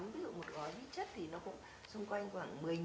ví dụ một gói vi chất thì nó cũng xung quanh khoảng một mươi